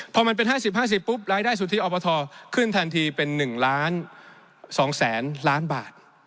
พอมันเป็น๕๐๕๐ปุ๊บรายได้สุทธิอบทขึ้นทันทีเป็น๑ล้าน๒แสนล้านบาท